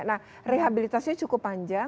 nah rehabilitasi cukup panjang